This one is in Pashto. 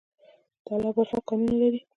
د تاله او برفک کانونه لري